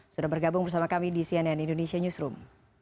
sudah bergabung bersama kami di cnn indonesia newsroom